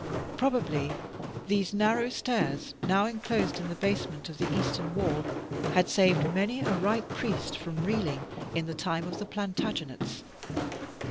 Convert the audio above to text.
Probably these narrow stairs, now enclosed in the basement of the eastern wall, had saved many a ripe priest from reeling, in the time of the Plantagenets.